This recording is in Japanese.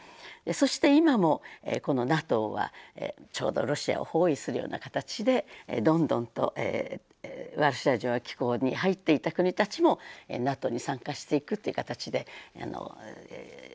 そして今もこのＮＡＴＯはちょうどロシアを包囲するような形でどんどんとワルシャワ条約機構に入っていた国たちもＮＡＴＯに参加していくという形で存在しています。